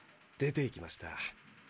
出ていきました。